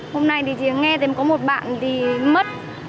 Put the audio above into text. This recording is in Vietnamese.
hôm nay thì nghe có một bạn thì mất